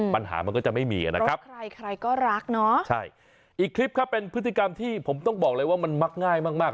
ปัญหามันก็จะไม่มีนะครับใช่อีกคลิปครับเป็นพฤติกรรมที่ผมต้องบอกเลยว่ามันมักง่ายมาก